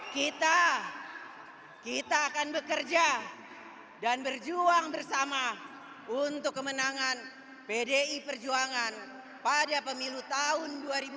kita kita akan bekerja dan berjuang bersama untuk kemenangan pdi perjuangan pada pemilu tahun dua ribu dua puluh